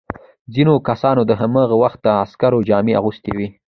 ځینو کسانو د هماغه وخت د عسکرو جامې اغوستي وې.